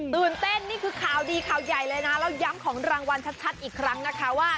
ตื่นเต้นนี่คือข่าวดีข่าวใหญ่เลยนะแล้วย้ำของรางวัลชัดอีกครั้งนะคะว่า